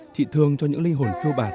chỉ thương cho những linh hồn phiêu bạc